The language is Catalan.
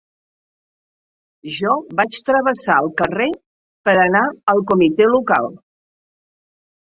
Jo vaig travessar el carrer per anar al Comitè Local